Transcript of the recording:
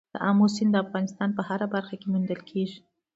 آمو سیند د افغانستان په هره برخه کې موندل کېږي.